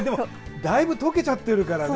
だいぶ溶けちゃってるからね